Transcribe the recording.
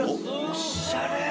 おしゃれ。